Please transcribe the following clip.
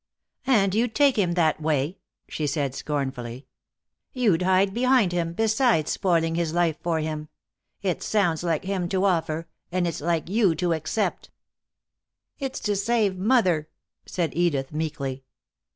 "And you'd take him that way!" she said, scornfully. "You'd hide behind him, besides spoiling his life for him! It sounds like him to offer, and it's like you to accept." "It's to save mother," said Edith, meekly.